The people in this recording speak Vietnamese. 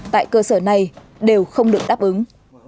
tại cơ sở này đều không được đáp ứng